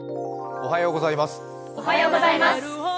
おはようございます。